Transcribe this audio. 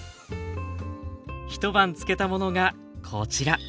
一晩漬けたものがこちら。